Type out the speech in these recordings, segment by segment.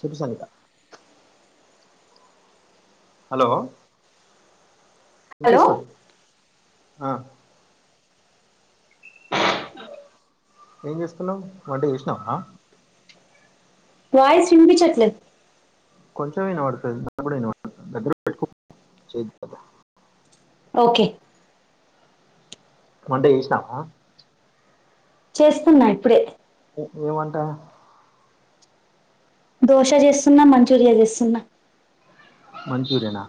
చెప్పు Sanitha hello! Hello ఇనిపిస్తుంది ఆ. ఏం చేస్తున్నావు వంట చేసినావా? వాయస్ వినిపించట్లేదు. కొంచెం విన పడుతుంది [unintelligible] దగ్గర పెట్టుకో ఓకే. వంటచేసినావా? చేస్తున్నా, ఇప్పుడే. ఏ వంట? దోశ చేస్తున్నా, మంచూరియా చేస్తున్నా. మంచూరియనా?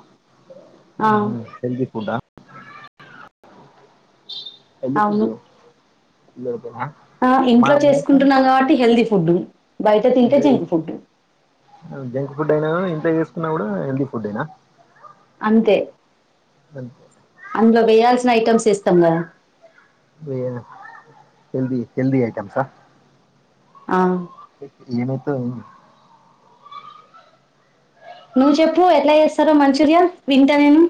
ఆ హెల్దీ ఫుడ్డా? ఎన్ని అవును కుదిో [unintelligible] ఆ ఇంట్లో చేసుకుంటున్నా కాబట్టి హెల్తీ ఫుడ్ బయిట తింటే జంక్ ఫుడ్ జంక్ ఫుడ్ అయినా ఇంట్లో చేసుకున్నా కూడా హెల్దీ ఫుడ్డెనా? అంతే, అందులో వేయాల్సిన ఐటెమ్స్ వేస్తాం కదా! ఎ హెల్దీ హెల్దీ ఐటెమ్సా? ఆ ఈమెతో నువ్వు చెప్పు ఎట్లా చేస్తారో మంచూరియా వింటా నేను.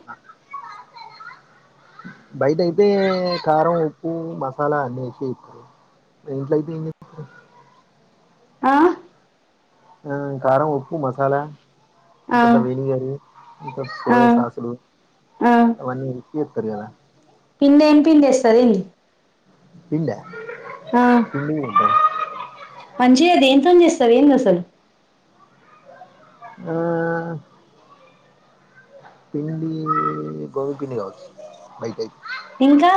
బయట అయితే కారం, ఉప్పు, మసాలా అన్నీ వేసి ఇంట్లో అయితే ఆ ఉమ్ కారం, ఉప్పు, మసాలా. ఆ ఇప్పుడు ఏం వేయాలి ఇంత ఆ సోయా సాసులు ఆ అవన్నీ ఇచ్ కరయణ [unintelligible] పిండి ఏమి పిండి వేస్తాది. పిల్లా? పిల్లేంటి? అసలెందసలు ఆ పిండి గరు పిడి గవ బైకాయి [unintelligible] ఇంకా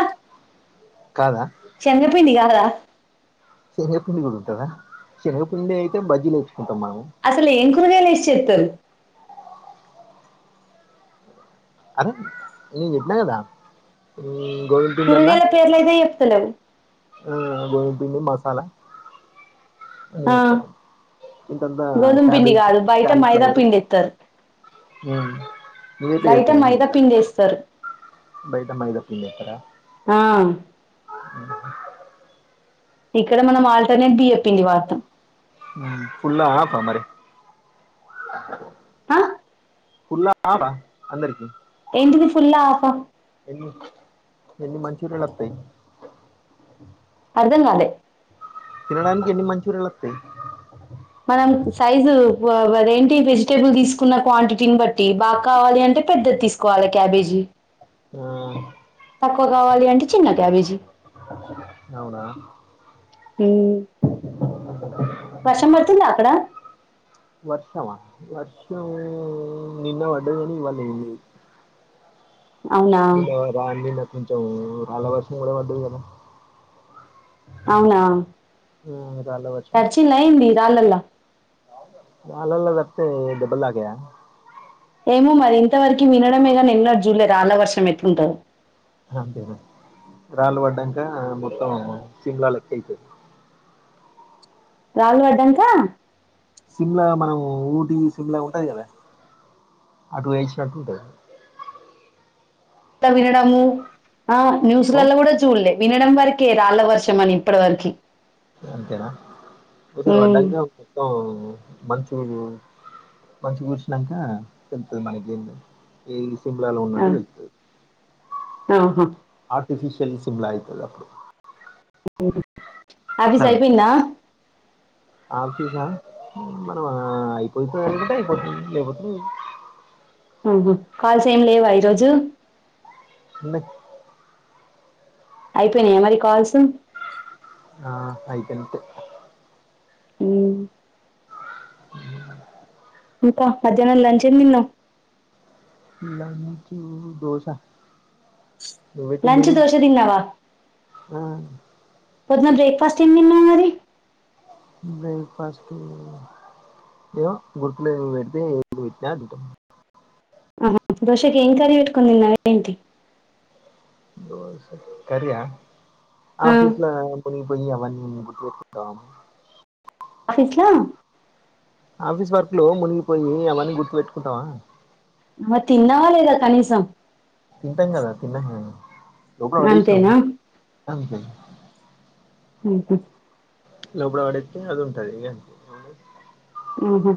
శనగ పిండి కాదా? శనగపిండి కూడా ఉంటుదా శనగపిండి అయితే బజ్జీలు వేయొచ్చు అసలు ఏం కూరగాయలు లేసి చెస్తారు అరే నీ విన్నా కదా? గోధుమ కూరగాయల పేర్లు అయితే చెప్తాలేవు. ఆ శనగ పిండి, మసాలా. అన్నీ ఆ వేస్తారు ఇంతంతా గోధుమ పిండి క్యాబేజీ కాదు బయట మైదా పిండి ఇస్తారు. హ మీవతే అతే మైదా ఎన్నికా పిండి వేస్తారు [unintelligible] బయట మైదాపిండే కదా? ఆ ఇక్కడ మనం ఆల్టర్నేట్ బియ్యంపిండి వాడతాం. ఫుల్ ఆఫా మరి. ఆ ఫుల్ హాఫా అందరికి ఏంటివి ఫుల్ ఆఫా ఎన్ని మంచూరియాలు వస్తాయి. అర్ధన్ కాాలే కిరడానికి ఎన్ని మంచూరి లేత మనం సైజు అదేంటి వెజిటేబుల్ తీసుకున్న క్వాంటిటీని బట్టి బాగా కావాలి అంటే పెద్దది తీసుకోవాలి క్యాబేజీ ఆ తక్కువ కావాలి అంటే చిన్న క్యాబేజీ అవునా కషా మతుంద అక్కడ వర్షవా వర్షము నిన్న ఒడువని ఇవాళ న అవునా నను రాండి నా కొంచెం రాళ్ాల వర్సం కూడా పడ్డది కదా అవునా ఆ, రాళ్ళ తడిచల ఇంది ఇ రాళ్ళలా వాళల జతే డబ్బల్గ ఏమో మరి ఇంతవరకు వినడమే కాని నిన్నా జూలే రాళ్ాలా వర్షం ఎతుంటారు అంతేనడి రాళ్ళ పడ్డాక మొత్తం సిమ్లా లెక్క అయితుంది రాహల్ వర్డాన్ంచ సిమ్లా మనం ఊటి సిమ్లా ఉంటది కదా ఆ టూస్ ట లా వినడము ఆ న్యూస్లలా కూడా చూడలే వినడం వరకే రాళ్ళ వర్షం అని ఇప్పటి వరకు అంతేనా ఒకసారు పడ్డాక మొత్తం మంచు మంచిగా కూర్చినాక తెలుతుంది మనకి సింపుల్ ఆ, ఉన్నట్టు తెలుతుంది ఆహా ఎఫిషిల్ సిమ్లా అవుతుంది అప్పుడు ఆఫీస్ అయిపోయినా ఆ చసా మనం అయిపోతే అకుంట అయిపోతుంది లేపోతున్నా కాల్స్ ఏం లేవా ఈరోజు అన్న అయిపోయినాయా మరి కాల్సు ఆ అయికనిట్ అ అకాా మధ్యాహ్నం లంచ నిన్న లని చూ దోస లంచ్ దోషదన్నవా పొద్న బ్రేక్ ఏం తిన్నావు మరి బ్రేక్ఫాస్ట్ ఏో గురుకులడితే ఏ వి అ ఆహా దోశాకి ఏం కర పెట్టుకుందిన్న ఏంటి ఓహో కర్రీయా ఆ, ఆఫీస్ లో పనిపోయి అవన్నీంట ఆఫీస్లా ఆఫీస్ వర్క్ లో మునిగిపోయి అవన్నీ గుర్తుపెట్టుకుంటావా అమ తిన్నావా లేదా కనీసం తింటాం కదా తిన్నా ఎప్పుడు పడిసాం అంతేనా అే ఉ లోబడ వాడేతే అది ఉంటది అంత ఆహా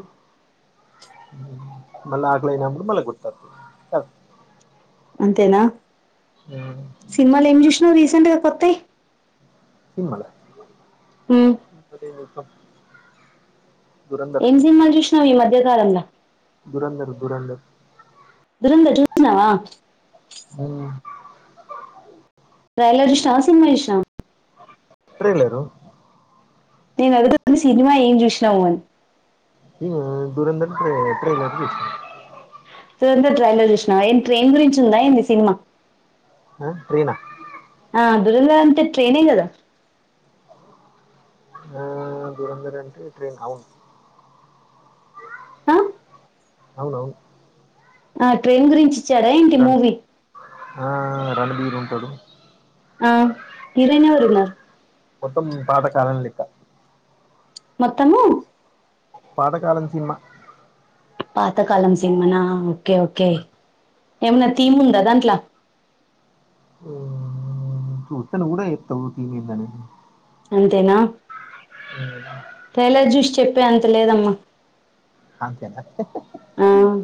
మళ్ళ ఆగలైన్ అం మళ్ళ గుతతు అంతేనా సినిమాలు ఏం చూసినావు రీసెంట్ గా కొత్తాయి్ సిని ఉమ్ సినిమలం ఏం సినిమాలు చూసినావు ఈ మధ్యకాలంలో దురంధర్ దురంధర్ దూరందర్ చూసినవా ఆ ట్రైలర్ చూసినవా సినిమా చూసినవా ట్రైలరు నేను అడుగుతుంది సినిమా ఏం చూసినావు అని [unintelligible] దూరందర్ ట్రై ట్రైలర్ చూసినా దూరందర్ ట్రైన్ లో చూసినవా ఏం ట్రైన్ గురించి ఉందా ఏంది సినిమా ఓబ్ ట్రైనా ట్రయినా అంతే ట్రయినే గదా దూరంధర్ అంటే ట్రైన్ అవును అ అవునవును ఆ ట్రైన్ గురించి ఇచ్చాడా ఎంటి రణ్ మూవీ ఆ రణబీరుంటడు అ కిరణ్ ఎవరున్నారు మొత్తం పాత కాలం లేక్క మొత్తము పాతాకాలం సినిమా పాతకాలం సినిమానా ఓకే ఓకే ఏమనా థీమ్ ఉందా దాంట్లో ఉత్తెను గూడ చెప్తాము థీమ్ ఎందిదని అంతేనా అ ట్రయిలర్ చూసి చెప్పేంత లేదమ్మా అంతేనా ఆ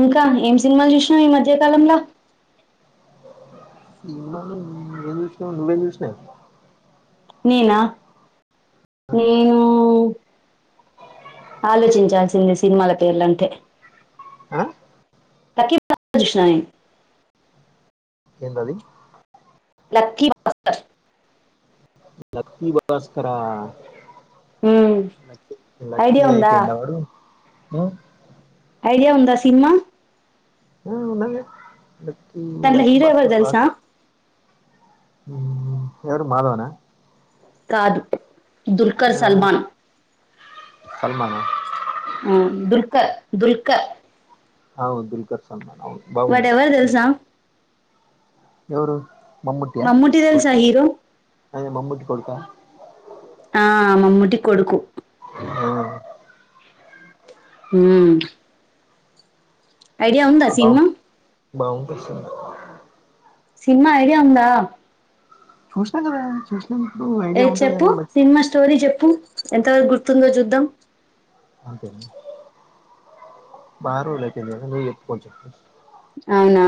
ఇంకా ఏం సినిమాలు జూషినవ్ ఈ మధ్యకాలంలో సినిమాలు ఏం జూసినావు నువ్వేం జూసినావ్ నేనా నేనూ ఆలోచించాల్సిందె సినిమాల పేర్లంటే ఆ? [unintelligible] చూసినా నేను ఏందది లక్కీ భాస్కర్ లక్కీ భాస్కరా మ్మ్. లక్కీ ఐడియా ఉందా అయిపోయిండా వాడు ఊ ఇదే ఉంద సిన్మా ఊ [unintelligible] లక్కీ దాంట్లో లక్కీ హీరో ఎవరు బాస్కర్ కాదు తెలుసా ఉ ఎవరు మాధవనా కాదు దుల్కర్ ఆ, సల్మాన్ సల్మానా ఆ దుర్కా దుల్క అవ్ దల్కర్ సల్మాన్ అవును బాగున్నాయి వాడెవరు సినిమా తెల్సా ఎవరు మమ్మూట్టి తెల్సా హీరో అయ్యో మమ్బూట్టి కొడుకా ఆ మమ్మూట్టి కొడుకు. ఆ, ఉమ్ ఐడియా ఉందా సిన్మా బాగుంటది సిన్మా సిన్మా ఐడియా ఉందా? చూస్నా గదా చూస్ ఏ చెప్పు సినిమా స్టోరీ జేప్పు ఎంతవరకు గుర్తుందో జూద్దాం అంతేనా బారోళైపొంది గదా నువ్ జెప్పు కొంచెం అవునా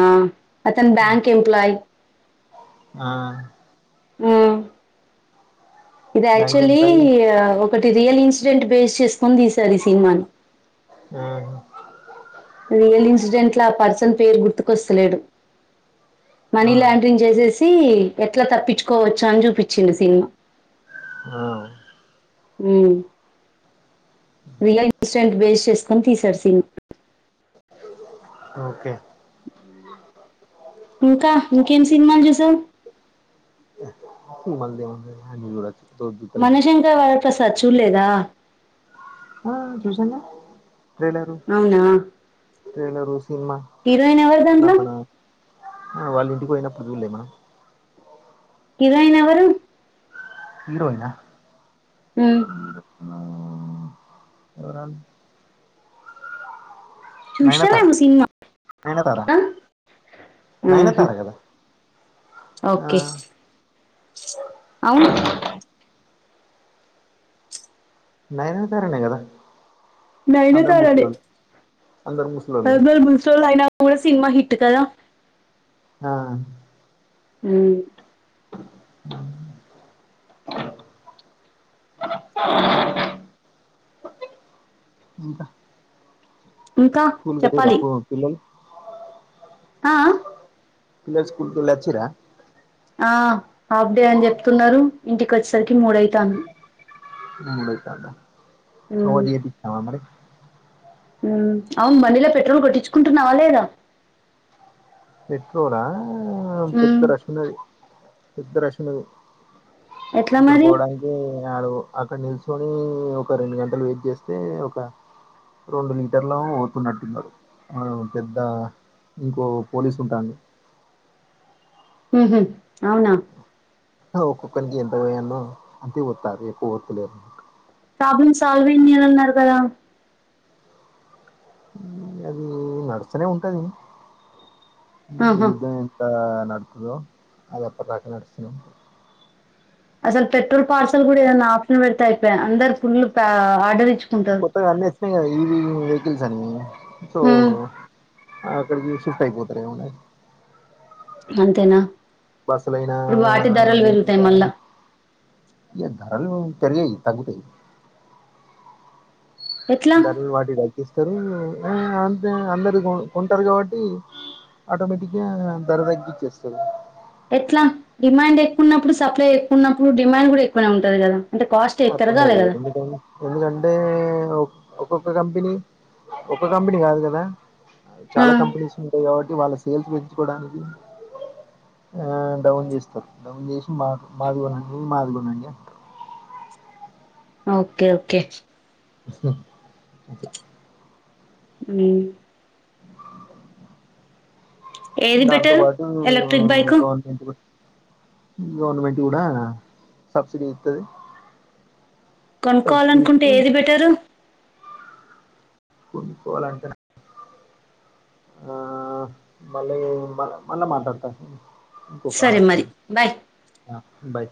అతను బ్యాంక్ ఎంప్లాయ్ ఆ ఆ ఇది బ్యాంక్ యాక్చువల్లీ ఎంప్లాయీ ఒకటి రియల్ ఇన్సిడెంట్ బేస్ చేసుకొని తీసారు ఈ సినిమాని ఆహా రియల్ ఇన్సిడెంట్ల ఆ పర్సన్ పేరు గుర్తుకొస్తలేడు మనీ ఆ లాండ్రింగ్ జేసేసి ఈ ఎట్లా తప్పించుకోవచ్చాని జూపించిండు సినిమా ఆ ఊ రియల్ ఇన్స్డెంట్ బేస్ చేసుకొని తీశారు సీన్మా ఓకే ఇంకా ఇంకేం సినిమాలు జూసావ్ మళ్ద మళ్ అన్ని జూడన్ మనశంకా వరప్రసాద్ చూలేదా ఆ చూసన్గా ట్రెలరు అవునా! ట్రెలరు సినిమా హీరోయిన్ ఎవరు నా దాంట్లో? కన ఆ వాళ్ళ ఇంటికి పోయినప్పుడు జూల్లే మనం కిరానెయెవరూ హీరోయినా ఊ ఊ ఎవరన్ చూసినవేమో సినిమా నయనతార ఆహా నయనతార కదా ఆ ఓకే అవును నయనతారనే కదా అందరు నయనతారనే ముసలోళ్ళు అందరు ముసలోళ్ళు బల్ బుల్ అయినా కూడా సినిమా హిట్ కద ఆ హూ ఉ [inaudible] ఇంకా ఇంకా స్కూల్ కి వెళ్ళిరా చెప్పాలి పొ పిల్లలు ఆ ఆ పిల్లలు స్కూల్ కి వెళ్లి వచ్చిర్రా ఆ హాఫ్ డే అని చెప్తున్నారు ఇంటికి వచ్చేసరికి మూడవుతాంది మూడైతోంది హోంవర్క్ చేపించినావా మరి అవును బండిలో పెట్రోల్ కొట్టించుకుంటున్నావా లేదా పెట్రోలా పెద్ద ఉమ్ రష్ ఉన్నది పెద్ద రష్ ఉన్నది ఎట్లా ఇప్పుడు మరి పోవడానికి అక్కడ నిల్చోని ఒక రెండు గంటలు వెయిట్ చేస్తే ఒక రెండు లీటర్లు ఎమో పోతున్నట్టున్నా వా పెద్ద ఇంకో పోలీసు ఉంటాంది ఉహు అవునా ఒక్కొక్కరినీకి ఎంత వయ్యాలనో అంతే పోస్తాళ్ళు ఎక్కువ వస్తలేరు ప్రాబ్లమ్ సాల్వ్ అయ్యిందన్నారు కదా అది నడుస్తూనే ఉంటది ఆహా యుద్ధమంతా నడుస్తాదో అది ఒక్క పాయింట్ నడుస్తుంది అసలు పెట్రోల్ పార్సల్ కూడా ఏదన్నా ఆప్షన్ పెడితే అయిపాయ్ అందరు ఫుల్ ఆర్డర్ ఇచ్చు కొత్తగా అన్నీ వచ్చినాయి కదా ఏవేవో వెహికల్స్ అని సో ఉమ్ ఆ అక్కడికి షిఫ్ట్ అయిపోతారు ఏమున్నది అంతేనా బస్సులైనా ఇప్పుడు వాటి ధరలు పెరుగుతాయి మళ్ళా ఇగా ధరలు పెరిగాయి తగ్గుతాయి ఎట్లా ధరలు వాటివి తగ్గిస్తారు అంతే ఆటోమేటిక్ గా ధర తగ్గిచ్చేస్తారు ఎట్లా డిమాండ్ ఎక్కువ ఉన్నప్పుడు సప్లై ఎక్కువ ఉన్నప్పుడు డిమాండ్ కూడా ఎక్కువనే ఉంటది కదా అంటే కాస్ట్ పెరగాలి అట్లుండదు కదా ఎందుకంటే ఒక్కొక్క కంపెనీ ఒక్క కంపెనీ కాదు కదా ఆ చాలా కంపెనీస్ ఉంటాయి కాబట్టి వాళ్ళ సేల్స్ పెంచుకోవడానికి డౌన్ చేస్తాం డౌన్ చేసి మాది కొనండి మాది కొనండి అంటాం ఓకే ఓకే [inaudible] మ్మ్ ఏది బెటరు దాంతోపాటు ఎలక్ట్రిక్ బైకు గవర్నమెంట్ గవర్నమెంట్ కూడా సబ్సిడీ ఇస్తది కొనుక్కోవాలనుకుంటే ఏది బెటరు కొనుక్కోవాలంటే ఆఆ మళ్లీ మల్ల మాట్లాడతా ఇంకో కాల్ సరే మరి వస్తంది బాయ్ ఆ బాయ్